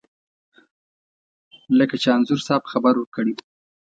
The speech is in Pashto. لکه چې انځور صاحب خبر ورکړی و.